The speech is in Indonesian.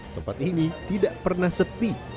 tempat ini tidak pernah sepi